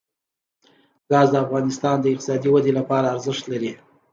ګاز د افغانستان د اقتصادي ودې لپاره ارزښت لري.